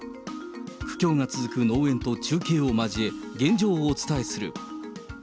苦境が続く農園と中継を交え、現状をお伝えする。